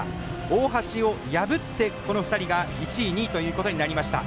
大橋を破ってこの２人が１位、２位ということになりました。